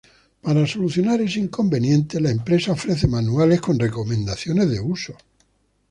Para solucionar ese inconveniente, la empresa ofrece manuales con recomendaciones de uso.